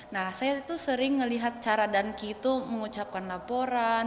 nah saya tuh sering ngelihat cara danki tuh mengucapkan laporan